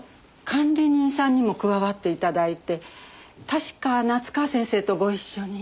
管理人さんにも加わって頂いて確か夏河先生とご一緒に。